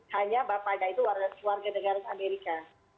hanya bapaknya itu warga negara amerika